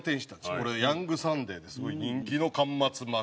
これ『ヤングサンデー』ですごい人気の巻末漫画です。